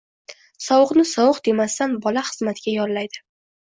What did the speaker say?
sovuqni-sovuqdemas-dan bola xizmatiga yo'llaydi.